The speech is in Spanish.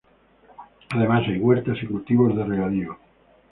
Además, hay huertas y cultivos de regadío.